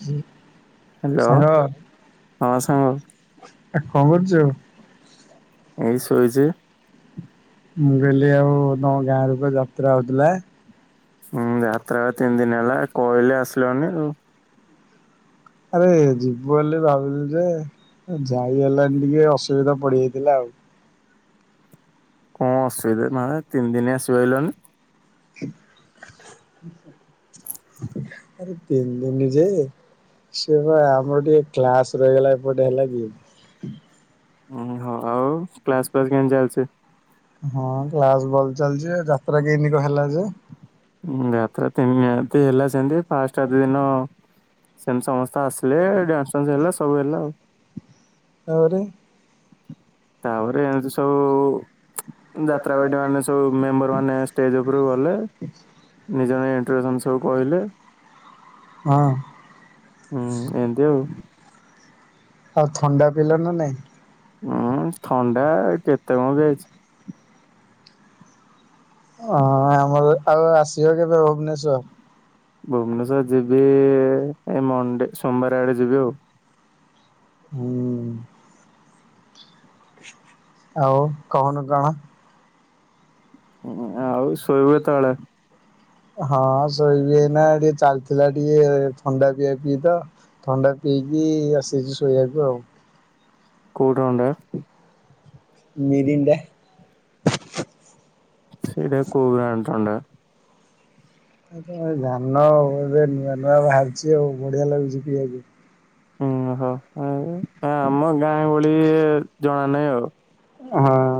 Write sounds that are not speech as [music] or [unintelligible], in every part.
ହୁଁ। ହ୍ୟାଲୋ ହଁ ସାଙ୍ଗ। ଆ କହୁଛୁ। ଏଇ ଶୋଇଛି। ମୁଁ କହିଲି ଆଉ ତମ ଗାଁରେ କୁଆଡେ ଯାତ୍ରା ହେଉଥିଲା। ହୁଁ ଯାତ୍ରା ତିନି ଦିନ୍ ହେଲା କହିଲେ ଆସିଲନି ଆଉ। ଆରେ ଯିବୁ ବୋଲି ଭାବିଲୁ ଯେ ଯାଇ ହେଲାଣି ଟିକେ ଅସୁବିଧା ପଡିଯାଇଥିଲା ଆଉ। କଣ ଅସୁବିଧା ମାନେ ତିନି ଦିନି ଆସିପାରିଲନି? [inaudible] ଆରେ ତିନି ଦିନ ଯେ ସେ ବେ ଆମର ଟିକେ କ୍ଲାସ ରହିଗଲା ଏପଟେ ହେଲା କି। ଉଁ ହୁ ହୋ ଆଉ କ୍ଲାସ ଫ୍ଲାସ୍ କେମ୍ତି ଚାଲିଛି? ହଁ କ୍ଲାସ ଭଲ ଚାଲିଛି ଯେ ଯାତ୍ରା କେମ୍ତି କଣ ହେଲା ଯେ? ହୁଁ ଯାତ୍ରା ତିନିରାତି ହେଲା ସେମ୍ ତି ଫାଷ୍ଟ ରାତି ଦିନ ସେମ୍ ସମସ୍ତେ ଆସିଲେ ଡ୍ୟାନ୍ସ୍ ଫାନ୍ସ୍ ହେଲା ସବୁ ହେଲା ଆଉ। ତାପରେ ତାପରେ ଏମ୍ତି ସବୁ ଯାତ୍ରା ପାଟି ମାନେ ସବୁ ମେମ୍ବର ମାନେ ଷ୍ଟେଜ୍‌ ଉପରକୁ ଗଲେ। ନିଜପାଇଁ ଇଣ୍ଟ୍ରୋଡକ୍ସନ ସବୁ କହିଲେ। ହଁ। ହୁଁ ଏମ୍ତି ଆଉ। ଆଉ ଥଣ୍ଡା ପିଇଲ ନା ନାଇଁ? ଉୁଁ ଥଣ୍ଡା କେତେ କଣ ଦିଆହେଇଛି। ହଁ ଆମର ଆଉ ଆସିବ କେବେ ଭୁବନେଶ୍ଵର? ଭୁବନେଶ୍ଵର ଯିବି ଏ ମଣ୍ଡେ ସୋମବାର ଆଡେ ଯିବି ଆଉ। ହୁଁ। ଆଉ କହୁନୁ କଣ? ଆଉ ଶୋଇବେ କେତେବେଳେ। ହଁ ଶୋଇବି ହେଇନା ଟିକେ ଚାଲିଥିଲା ଟିକେ ଥଣ୍ଡା ପିଆ ପିଇ ତ। ଥଣ୍ଡା ପିଇକି ଆସିଛି ଶୋଇବାକୁ ଆଉ। କଉ ଥଣ୍ଡା? ମିରିଣ୍ଡା। ସେଇଟା କଉ ବ୍ରାନ ଥଣ୍ଡା? ତ ଧାନ ଏବେ ନୂଆ ନୂଆ ବାହାରୁଛି ଆଉ ବଢ଼ିଆ ଲାଗୁଛି ପିଇଆକୁ। ଓହୋ ଆମ ଗାଁ ଭଳି ଜଣା ନାହିଁ ଆଉ। ହଁ।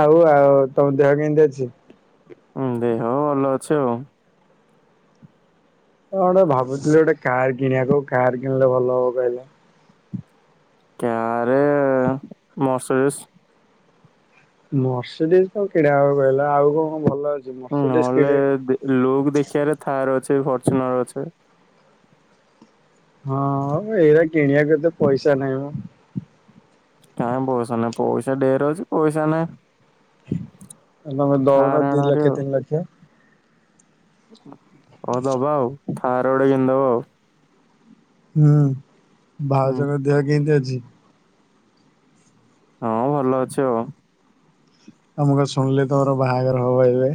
ଆଉ ଆଉ ତମ ଦେହ କେମିତି ଅଛି? ହୁଁ ଦେହ ଭଲ ଅଛି ଆଉ। ଗୋଟେ ଭାବୁଥିଲି ଗୋଟେ କାର କିଣିବାକୁ କାର୍ କିଣିଲେ ଭଲ ହବ କହିଲେ କାରେ ମସରିସ୍ ମର୍ସିଡିଜ କଣ କିଣା ହବ କହିଲ ଆଉ କଣ କଣ ଭଲ ଅଛି? ମର୍ସିଡିଜ ନହେଲେ କିଣି ଲୁକ୍ ଦେଖିବାରେ ଥାର୍ ଅଛି ଫର୍ଚୁନର ଅଛେ। ହଁ ଏଇରା କିଣିବାକୁ ଏତେ ପଇସା ନାହିଁ ମ। କାଇଁ ପଇସା ନାହିଁ ପଇସା ଡେର ଅଛି ପଇସା ନାଁହିଁ ତମେ ଦଉନ ଆଣ ଦି ଭାରି ଲକ୍ଷ ଆଉ। ତିନି ଲକ୍ଷ। ହଉ ଦବା ଆଉ ଥାର୍ ଗୋଟେ କିଣିଦବ ଆଉ। ହୁଁ ହୁଁ ଭାଉଜଙ୍କ ଦେହ କେମିତି ଅଛି? ହଁ ଭଲ ଅଛି ଆଉ ଆମେ କଣ ଶୁଣିଲେ ତମର ବାହାଘର ହବ ଏବେ।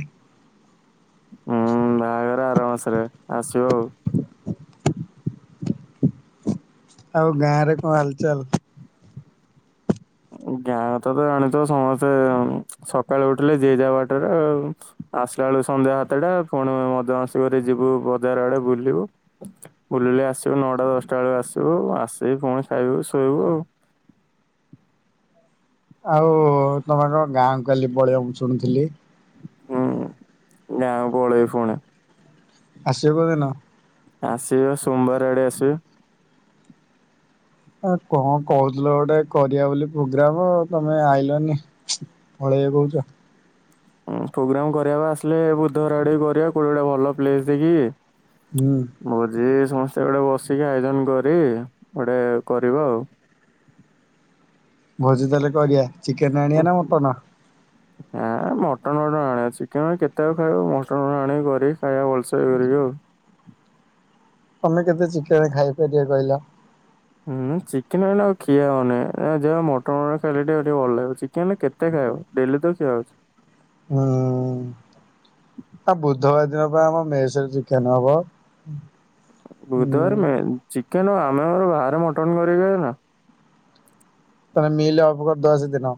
ହ ହୁଁ ବାହାଘର ଆର ମାସରେ ଆସିବ ଆଉ। ଆଉ ଗାଁରେ କଣ ହାଲଚାଲ୍? ଗାଁ କଥା ତ ଜାଣିଛ ସମସ୍ତେ ସକାଳୁ ଉଠିଲେ ଯିଏ ଯାହା ବାଟରେ ଆଉ। ଆସିଲା ବେଳକୁ ସନ୍ଧ୍ୟା ସାତଟା କଣ ମଦ ମାଂସ କରି ଯିବୁ ବଜାର ଆଡେ ବୁଲିବୁ। ବୁଲି ବୁଲି ଆସିବୁ ନଅଟା ଦଶଟା ବେଳେ ଆସିବୁ ଆସିକି ପୁଣି ଖାଇବୁ ଶୋଇବୁ ଆଉ। ଆଉ ତମେ କଣ ଗାଁକୁ କାଲି ପଳେଇବ ମୁଁ ଶୁଣୁଥିଲି ହୁଁ ଗାଁ କୁ ପଳେଇବୁ ଫୁଣି। ଆସିବ କୋଉ ଦିନ? ଆସିବି ବା ସୋମବାର ଆଡେ ଆସିବି। ଆ କଣ କହୁଥିଲ ଗୋଟେ କରିବା ବୋଲି ପ୍ରୋଗ୍ରାମ ତମେ ଆଇଲନି। ପଳେଇଆ କହୁଛ? ପ୍ରୋଗ୍ରାମ କରିବାକୁ ଆସିଲେ ବୁଧବାର ଆଡ଼େ କରିବା କୋଉଟେ ଗୋଟେ ଭଲ ପ୍ଲେସ ଦେଖିକି। ହୁଁ। ଭୋଜି ସମସ୍ତେ ଗୋଟେ ବସିକି ଆୟୋଜନ କରି ଗୋଟେ କରିବା ଆଉ। ଭୋଜି ତାହେଲେ କରିଆ ଚିକେନ ଆଣିବା ନା ମଟନ? ଆ ମଟନ ଆଣିବା ଚିକେନ କେତେବେଳେ ଖାଇବ ମଟନ ଆଣିବି କରି ଖାଇବା ଭଲ ସେ କରିକି ଆଉ। ତମେ କେତେ ଚିକେନ ଖାଇପାରିବ କହିଲ? ହୁଁ ଚିକେନ ଏ ଆଉ ଖିଆ ହଉନି ଯାହା ମ [unintelligible] ଟିକେ ଭଲ ଲାଗିବ ଚିକେନ କେତ ଖାଇବ ଡେଲି ତ ଖିଆ ହଉଚି। ହଁ। ଆ ବୁଧବାର ଦିନ ବା ଆମ ମେଶର ଚିକେନ ହବ। ହୁଁ ବୁଧବାର ମେନ୍ ଚିକେନ ଆମେ ଆମର ବାହାରେ ମଟନ କରିକି ନା [unintelligible] ମିଲ୍ ଅଫ୍ କରିଦବା ସେଦିନ।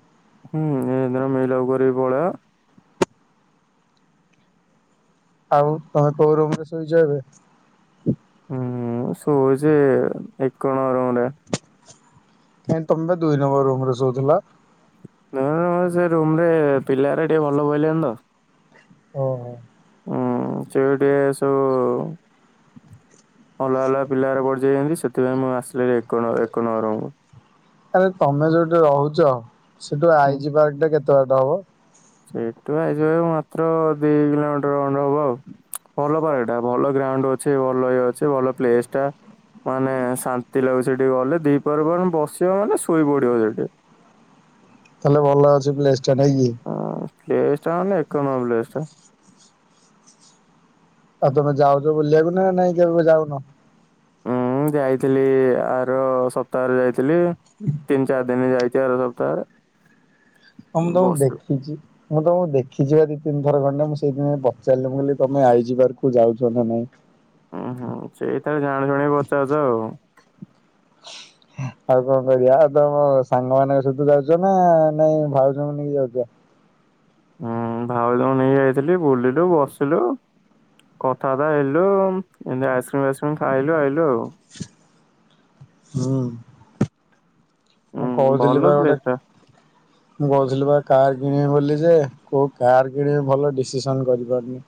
ହୁଁ ସେଇଦିନ ମିଲ୍ ଅଫ୍ କରିକି ପଳେଇବା। ଆଉ ତମେ କୋଉ ରୁମରେ ଶୋଇଚ ଏବେ? ହୁଁ ସୋଇଚି ଏକ ନମ୍ବର ରୁମରେ। କାଁଇ ତମେ ପା ଦୁଇ ନମ୍ବର ରୁମରେ ଶୋଉଥୁଲ। ନା ନା [unintelligible] ସେ ରୁମରେ ପିଲାରା ଟିକେ ଭଲ ପ‌ଇଲେନି ତ। ଓ ହୋ। ହୁଁ ସିଏ ବି ଟିକେ ସବୁ ଅଲଗା ଅଲଗା ପିଲାର ପଢିଯାଇଚନ୍ତି ସେଥିପାଇଁ ମୁଁ ଆସିଲି ଏକ ନବ ଏକ ନମ୍ବର ରୁମକୁ। ଆରେ ତମେ ଯୋଉଠି ରହୁଚ। ସେଠୁ ଆଇଜି ପାର୍କଟା କେତେ ବାଟ ହବ? ସେଇଠୁ ଆଇଜି ପାର୍କ ମାତ୍ର ଦି କିଲୋମିଟର ଖଣ୍ଡେ ହବ ଆଉ। ଭଲ ପାର୍କଟା ଭଲ ଗ୍ରାଉଣ୍ଡ ଅଛି ଭଲ ଇଏ ଅଛି ଭଲ ପ୍ଲେସଟା।। ମାନେ ଶାନ୍ତି ଲାଗୁଚି ସେଠିକି ଗଲେ ଦିପହର ପରେ ବସିବ ମାନେ ଶୋଇପଡିବ ସେଠି। ତାହେଲେ ଭଲ ଅଛି ପ୍ଲେସଟା ନାଁ କି। ହଁ ପ୍ଲେସଟା ମାନେ ଏକ ନମ୍ବର ପ୍ଲେସଟା। ଆଉ ତମେ ଯାଉଚ ବୁଲିବାକୁନା ନାଇଁ କେବେ ଯାଉନ? ମୁଁ ଯାଇଥିଲି ଆର ସପ୍ତାହରେ ଯାଇଥିଲି। ତିନ ଚାର ଦିନ ଯାଇଚି ଆର ସପ୍ତାହରେ। ତମକୁ ତ ମୁଁ ବସ୍ ଦେଖିଚି। ମୁଁ ତମକୁ ଦେଖିଚି ଦି ତିନି ଥର ଖଣ୍ଡେ। ମୁଁ ସେଇଥି ପାଇଁ ପଚାରିଲି। ମୁଁ କହିଲ ତମେ ଆଇଜି ପାର୍କକୁ ଯାଉଚ ନା ନାଇଁ। ଉଁ ହୁଁ ସେଇଥି ପାଇଁ ଜାଣି ଶୁଣି ପଚାରୁଚ ଆଉ। [inaudible] ଆଉ କଣ କରିବା ଆଉ ତମ ସାଙ୍ଗ ମାନଙ୍କ ସହିତ ଯାଉଚ ନା ନାଇଁ ଭାଉଜଙ୍କୁ ନେଇକି ଯାଉଚ? ହୁଁ ଭାଉଜଙ୍କୁ ନେଇକି ଯାଇଥିଲି ବୁଲିଲୁ ବସିଲୁ। କଥାବାର୍ତ୍ତା ହେଲୁ ଏମତି ଆଇସ୍କ୍ରିମ୍ ଫାଇସ୍କ୍ରିମ୍ ଖାଇଲୁ ଆଇଲୁ ଆଉ। ହୁଁ। ମୁଁ ହୁଁ କୋଉଥିଲି ଭଲ ପା ଗୋଟେ ପ୍ଲେସ ଟା ମୁଁ କୋଉଥିଲି ପା କାର୍ କିଣିବି ବୋଲି ଯେ କୋଉ କାର୍ କିଣିବି ଭଲ ଡିସିସନ୍ କରିପାରୁନି।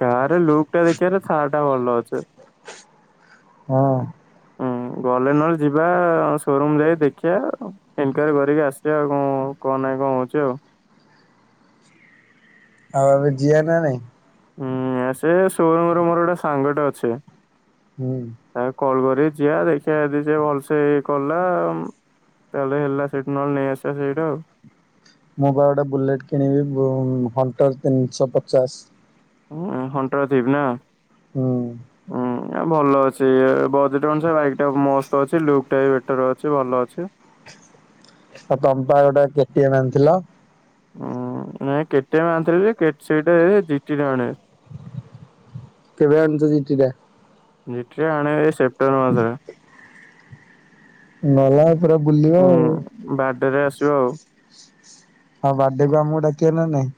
କାର୍ ଲୁକଟା ଦେଖିବାର ଅଛି। ସା‌ [unintelligible] ଟା ଭଲ ଅଛି। ହଁ। ହୁଁ ଗଲେ ନହେଲେ ଯିବା ସୋରୁମ ଯାଇ ଦେଖିବା ଆଉ। ଇନକ୍ୱାରି କରିକି ଆସିବା ଆଉ କ-କଣ ନାହିଁ କଣ ଅଛି ଆଉ। ଆଉ ଆମେ ଯିବା ନା ନାଇଁ? ହୁଁ ଆ ସେ ସୋରୁମରେ ମୋର ଗୋଟେ ସାଙ୍ଗଟେ ଅଛି। ହୁଁ। ତାକୁ କଲ୍ କରି ଯିବା ଦେଖିବା ଯଦି ଯଦି ସିଏ ଭଲସେ ଇଏ କଲା ଉଁ ତାହେଲେ ହେଲା ସେଇଠୁ ନହେଲେ ନେଇ ଆସିବା ସେଇଠୁ ଆଉ। ମୁଁ ପା ଗୋଟେ ବୁଲେଟ୍ କିଣିବି ବୁ ହଣ୍ଟର ତିନିଶହ ପଚାଶ। ଉଁ ହଁ ହଣ୍ଟର ଥିବ୍ [unintelligible] ନା। ହୁଁ। ନା ଭଲ ଅଛି ବଜେଟ ଅନୁସାରେ ବାଇକଟା ମସ୍ତ ଅଛି। ଲୁକ୍ ଟା ବି ବେଟର ଅଛି ଭଲ ଅଛି। ଆ ତମେପା ଗୋଟେ କେଟିଏମ୍ ଆଣିଥିଲ। ହୁଁ ନାଇଁ କେଟିଏମ୍ ଆଣିଥିଲି ଯେ କେ ସେଇଟା ଏ ଜିଟିଟା [unintelligible] ଆଣିବି। କେବେ ଅଣିଚ ଜିଟିଟା? ଜିଟିଟା ଆଣିବି ଏଇ ସେପ୍ଟେମ୍ବର ମାସରେ। ଭଲ ଏଥର ବୁଲିବ ଆଉ। ବାଡେ ରେ ଆସିବ ଆଉ। ତମ ବାର୍ଥଡେ କୁ ଆମକୁ ଡାକିବ କି ନାଇଁ?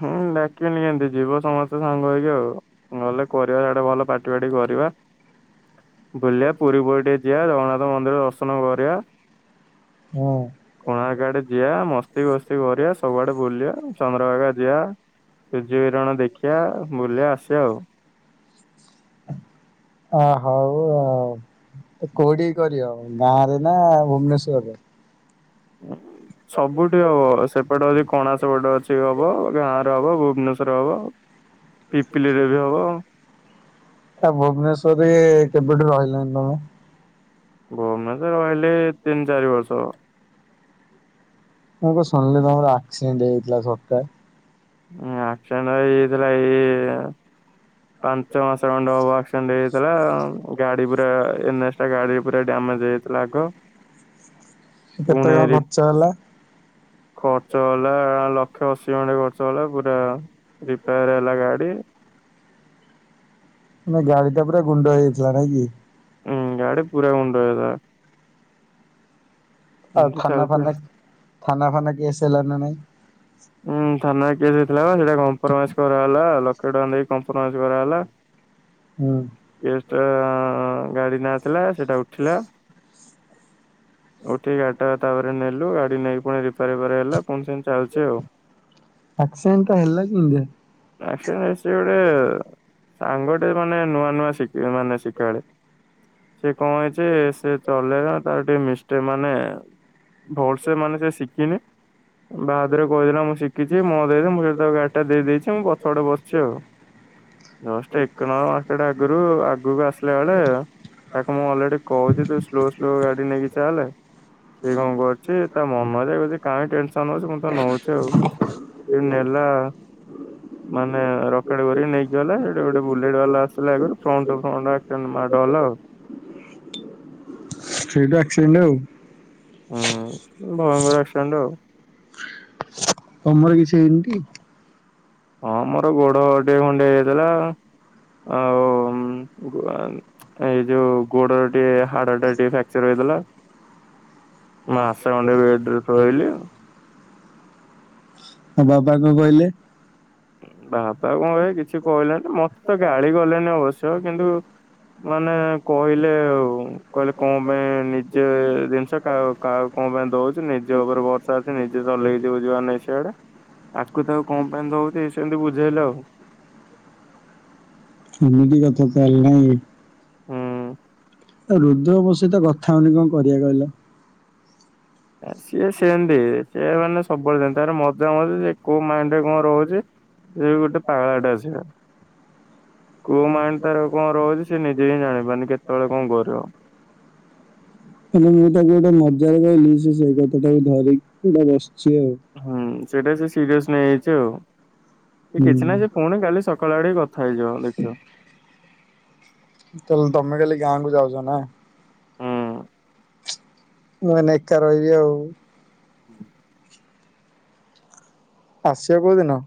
ହୁଁ ଡାକିବି ନିହାତି ଯିବ ସମସ୍ତେ ସାଙ୍ଗ ହେଇକି ଆଉ। ନହେଲେ କରିବା ସିଆଡେ ଭଲ ପାଟି ଫାଟି କରିବା। [inaudible] ବୁଲିବା ପୁରୀ ପୁରୀ ଟିକେ ଯିବା ଜଗନ୍ନାଥ ମନ୍ଦିର ଦର୍ଶନ କରିବା। ହୁଁ କୋଣାର୍କ ଆଡେ ଯିବା ମସ୍ତି ଫସ୍ତି କରିବା ସବୁଆଡେ ବୁଲିବା ଚନ୍ଦ୍ରଭାଗା ଯିବା ସୂର୍ଯ୍ୟ କିରଣ ଦେଖିିବା ବୁଲିବା ଆସିବା ଆଉ। ଅ ହଉ ଆଉ କୋଉଠି କରିଅ ଗାଁରେ ନା ଭୁବନେଶ୍ୱରରେ? ହ [inaudible] ସବୁଠି ହବ ସେପଟେ ଅଛି କଣା ସେପଟେ ଅଛି ହବ ଗାଁରେ ହବ ଭୁବନେଶ୍ଵରରେ ହବ ପିପିଲିରେ ବି ହେବ ଆଉ ଭୁବନେଶ୍ୱର ରେ କେବେଠୁ ରହିଲଣି ତମେ? ଭୁବନେଶ୍ୱର ରେ ରହିଲିଣି ତିନି ଚାରି ବର୍ଷ ହବ। ମୁଁ କଣ ଶୁଣିଲି ତମର ଆକ୍ସିଡେଣ୍ଟ ହେଇଥିଲା ସକାଳେ? ଆକ୍ସିଡେଣ୍ଟ ହେଇଯାଇଥିଲା ଏଇ ପାଞ୍ଚ ମାସ ଖଣ୍ଡହବ ଏକ୍ସିଡେଣ୍ଟ ହେଇଯାଇଥିଲା ଗାଡି ପୁରା ଏନ ଏଜ୍ ଟା ଗାଡି ପୁରା ଡ୍ୟାମେଜ ହେଇଯାଇଥିଲା ଥିଲା ଆଗ କେତେ ପୁଣି କଣ ରି ଖର୍ଚ୍ଚ ହେଲା? ଖର୍ଚ୍ଚ ହେଲା ଲକ୍ଷେ ଅଶୀ ଖଣ୍ଡେ ଖର୍ଚ୍ଚ ହେଲା ପୁରା ରିପେୟାର ହେଲା ଗାଡି ମାନେ ଗାଡି ଟା ପୁରା ଗୁଣ୍ଡ ହେଇଯାଇଥିଲା ନାଇ କି? ହୁଁ ଗାଡ଼ି ପୁରା ଗୁଣ୍ଡ ହୋଇଯାଇଥିଲା। ଆଉ ଏମିତି ଥାନା ଚାଲିଛି ଆଉ ଫାନାରେ ଥାନା ଫାନା କେଶ୍ ହେଲା ନା ନାଇଁ? ହୁଁ ଥାନାରେ କେଶ୍ ହେଇଥିଲା ପା ସେଇଟା କମ୍ପ୍ରମାଇଜ କରାହେଲା ଲକ୍ଷେ ଟଙ୍କା ଦେଇକି କମ୍ପ୍ରମାଇଜ କରାହେଲା। ହଁ। କେଶ୍ ଟା ଗାଡି ନା ରେ ଥିଲା ସେଇଟା ଉଠିଲା। ଉଠିକି ଗାଡି ଟା ତାପରେ ନେଲୁ ଗାଡି ନେଇକି ପୁଣି ରିପ୍ୟାର୍ ଫିପ୍ୟାର ହେଲା ପୁଣି ସେମିତି ଚାଲିଛି ଆଉ। ଆକ୍ସିଡେଣ୍ଟ ଟା ହେଲା କେମିତି? ଆକ୍ସିଡେଣ୍ଟ ସିଏ ଗୋଟେ ସାଙ୍ଗଟେ ମାନେ ନୂଆ ନୂଆ ଶିକ୍ ମାନେ ଶିକାଳି ସେ କଣ ହେଇଚି ସେ ଚଲେଇଲା ତାର ଟିକେ ମିଷ୍ଟେକ୍ ମାନେ ଭଲସେ ମାନେ ସେ ଶିିକିନି ବାହାଦୁରରେ କହିଦେଲା ମୁଁ ଶିଖିଛି ମୋତେ ଦେଇଦେ ମୁଁ ସେଇଠୁ ତାକୁ ଗାଡି ଟା ଦେଇ ଦେଇଛି ମୁଁ ପଛ ପଟେ ବସିଛି ଆଉ ଜଷ୍ଟ ଏକ ନମ୍ବର୍ ମାର୍କେଟ ଆଗରୁ ଆଗକୁ ଆସିଲା ବେଳେ ଆଉ ତାକୁ ମୁଁ ଅଲରେଡି କହୁଛି ତୁ ସ୍ଲୋ ସ୍ଲୋ ଗାଡି ନେଇକି ଚାଲେ ସେ କଣ କରୁଛି ତା ମନରେ କହୁଚି କାଇଁ ସେ ଟେନ୍ ସନ ନଉଛି ମୁ ତ ନଉଛି ଆଉ ଏ ନେଲା ହଁ। ମାନେ ରକେଟ୍ କରିକି ନେଇକି ଗଲା ସେଇଠୁ ଗୋଟେ ବୁଲେଟ୍ ବାଲା ଆସିଲା ଆଗରୁ ଫ୍ରଣ୍ଟ ଟୁ ଫ୍ରଣ୍ଟ୍ ଆକ୍ସି ମାଡ଼ ହେଲା ଆଉ। ସେଇଠୁ ଆକ୍ସିଡେଣ୍ଟ ଆଉ। ହୁଁ ଭୟଙ୍କର ଆକ୍ସିଡେଣ୍ଟ ଆଉ। ତମର କିଛି ହେଇନି ଟି? ହଁ ମୋର ଗୋଡ ଟିକେ ଖଣ୍ଡିଆ ହେଇଯାଇଥିଲା ଆଉ ଏଇ ଯୋଉ ଗୋଡର ଟିକେ ହାଡ ଟା ଟିକେ ଫ୍ରାକ୍ଚର ହେଇଯାଇଥିଲା। ଆଉ ମାସେ ଖଣ୍ଡେ ବେଡ୍ ରେ ପଡ଼ିଲି ଆଉ। ହଁ ବାପା କଣ କହିଲେ? ବାପା କଣ କହିବେ କିଛି କହିଲେଣି ମତେ ତ ଗାଳି ଗଲେଣିି ଅବଶ୍ୟ କିନ୍ତୁ ମାନେ କହିଲେ ଆଉ କହିଲେ କଣ ପାଇଁ ନିଜେ ଜିନିଷ କାହା କାହାକୁ କଣ ପାଇଁ ଦଉଚୁ ନିଜ ଉପରେ ଭର୍ଷା ଅଛି ନିଜେ ଚଲେଇକି ଯିବୁ ଯୁଆଡ଼େ ନାହିଁ ସିଆଡେ। ଆକୁ ତାକୁ କଣ ପାଇଁ ଦଉଚୁ ଏମିତି ସେମିତି ବୁଝେଇଲେ ଆଉ। ଏମିତି କଥା ତାହେଲେ ନାଇଁ କି। ହୁଁ। ଏ ରୁଦ୍ର ମୋ ସହିତ କଥା ହେଉନି କଣ କରିବା କହିଲ? ସିଏ ସେମତି ସିଏ ମାନେ ସବୁବେଳେ ତାର ସେମିତି ତାର ମଦ୍ ଶେଇପା ମୁଁ କହୁଚି କୋଉ ମାଇଣ୍ଡରେ କଣ ରହୁଚି ସେ ଗୋଟେ ପାାଗଳାଟା ସିଏ। କୋଉ ମାଇଣ୍ଡ ତାର କଣ ରହୁଚି ସେ ନିଜେ ହିଁ ଜାଣିପାରୁନି ସେ କେତେବେଳେ କଣ କରିବ। ମାନେ ମୁଁ ତାକୁ ଗୋଟେ ମଜାରେ କହିଲି ସେଇ କଥାଟାକୁ ଧରି ଧରିକି ଗୋଟେ ବସିଚି ଆଉ। ହୁଁ ସେଇଟା ସେ ସିରିଅସ ନେଇଯାଇଚି ଆଉ ସେ ହୁଁ କିଛି ନାଇଁ ସେ ପୁଣି କାଲି ସକ କାଳ ଆଡେ କଥା ହେଇଯିବ ଦେଖିବ। ତାହେଲେ ତମେ କାଲି ଗାଁ କୁ ଯାଉଚ ନା? ହୁଁ। ମୁଁ ଅନା ଏକା ରହିବି ଆଉ। ଆସିବ କେଉଁ ଦିନ?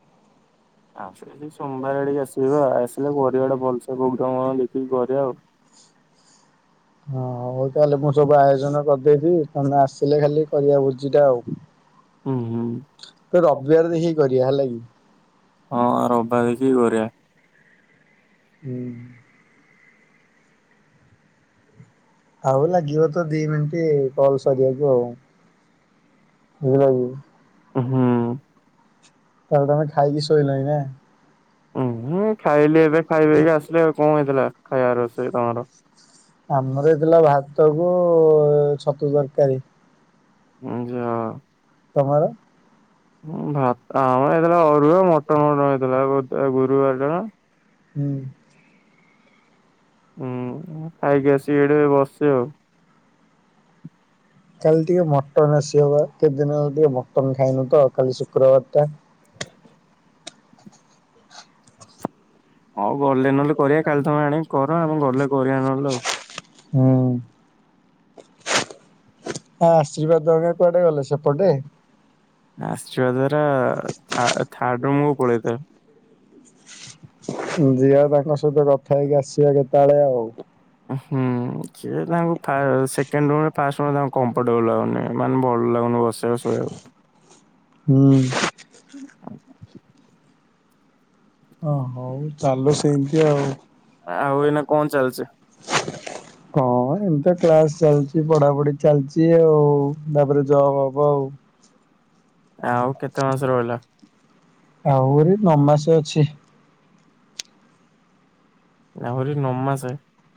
ଆସ ସୋମବାର ଆଡିକେ ଆସିବ ଆଉ ଆସିଲେ କରିବାଟେ ଭଲସେ ବଗ ମ ଦେଖିକି କରିବା ଆଉ। ହଁ ହଉ ତାହେଲେ ମୁଁ ସବୁ ଆୟୋଜନ କରିଦେଇଥିବି ତମେ ଆସିଲେ ଖାଲି କରିବା ଭୋଜିଟା ଆଉ। ହୁଁ ହୁଁ ବେ ରବିବାର ଦେଖିକି କରିବା ହେଲା କି? ହଁ ରବାରେ ଦେଖି କରିବା। ହୁଁ। ଆଉ ଲାଗିବ ତ ଦି ମିନିଟ କଲ ସରିବାକୁ ଆଉ ବୁଝିଲକି? ହୁଁ। ତାହେଲେ ତମେ ଖାଇକି ଶୋଇଲାଣି ନା? ହୁଁଁ ଖାଇଲି ଏବେ ଖାଇବେକି ଆସିଲି। ଆଉ କଣ ହେଇଥିଲା ଖାଇବା ରୋଷେଇ ତମର? ଆମର ହେଇଥିଲା ଭାତକୁ ଛତୁ ତରକାରୀ। ଉ ଯାଁ ତମର? ଭାତ ଆମର ହେଇଥିଲା ଅରୁଆ ମଟନ ମଟନ ହେଇଥିଲା ଗୁରୁବାର ଟା ପା। ହୁଁ। ହୁଁ ଖାଇକି ଆସିକି ଏଠି ବସି ଆଉ। କାଲି ଟିକେ ମଟନ ଆସିହବ କେତେ ଦିନ ହେଲେ ଟିକେ ମଟନ ଖାଇନୁ ତ କାଲି ଶୁକ୍ରବାର ଟା। ହଉ ଗଲେ ନହେଲେ କରିବା କାଲି ତମେ ଆଣିକି କର ଆମେ ଗଲେ କରିବା ନହେଲେ ଆଉ। ହୁଁ। ହ ଆଶୀର୍ବାଦ ଦ କୁଆଡେ ଗଲେ ସେପଟେ? ଆଶୀର୍ବାଦ ଟା ଧାରା ଥାର୍ଡ ରୁମ୍ କୁ ପଳେଇଥାଏ। ଜିଆ ତାଙ୍କ ସହିତ କଥା ହେଇକି ଆସିବା କେତେବେଳେ ଆଉ। ହୁଁ ସିଏ ତାଙ୍କୁ ସେକେଣ୍ଡ ର ରେ ଫାଷ୍ଟ ର ରେ ତାଙ୍କୁ କମ୍ ଫଟବଲ ଲାଗୁନି ମାନେ ଭଲ ଲାଗୁନି ବସେଇବାକୁ ଶୋଇବାକୁ। ହୁଁ। ଓ ହଉ ଚାଲୁ ସେମିତି ଆଉ। ଆଉ ଏଇନା କଣ ଚାଲିଚି? [inaudible] ହଁ, ଏମିତି କ୍ଲାସ ଚାଲିଛି, ପଢ଼ାପଢ଼ି ଚାଲିଛି ଆଉ ତାପରେ ଜବ ହବ ଆଉ। ଆଉ କେତେ ମାସ ରହିଲା? ଆହୁରି ନଅ ମାସେ ଅଛି। ଆହୁରି ନଅ ମାସେ?